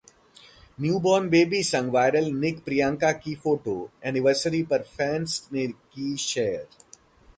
newborn baby संग viral निक-प्रियंका की photo, anniversary पर फैंस ने की शेयर